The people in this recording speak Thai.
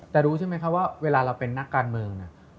แต่รู้ใช่ไหมคะว่าเวลาเราเป็นนักการเมืองเนี่ย